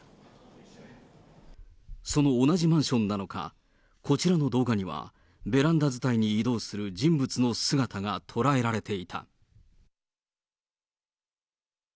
その同じマンションなのか、こちらの動画には、ベランダ伝いに移動する人物の姿が捉えられていた。